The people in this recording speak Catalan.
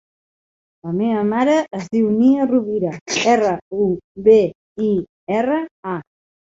La meva mare es diu Nia Rubira: erra, u, be, i, erra, a.